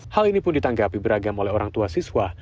hal ini pun ditanggapi beragam oleh orang tua siswa